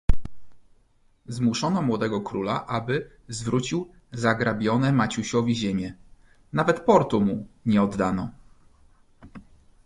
"Zmuszono młodego króla, aby zwrócił zagrabione Maciusiowi ziemie; nawet portu mu nie oddano."